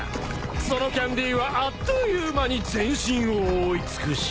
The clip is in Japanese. そのキャンディーはあっという間に全身を覆い尽くし。